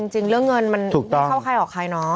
จริงเรื่องเงินมันไม่เข้าใครออกใครเนาะ